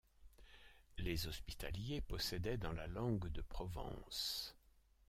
Les hospitaliers possédaient dans la langue de Provence.